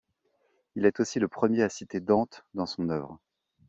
Il est aussi le premier à citer Dante dans son œuvre.